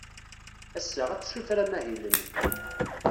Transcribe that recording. Ass-a, ad tessuter amahil-nni.